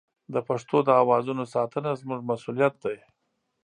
د پښتو د اوازونو ساتنه زموږ مسوولیت دی.